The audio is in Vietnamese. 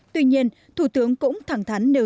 tuy nhiên thủ tướng cũng thẳng thắn nêu